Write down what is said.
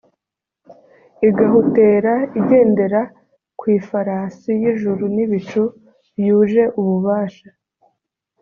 igahutera igendera ku ifarasi y’ijuru n’ibicu, yuje ububasha.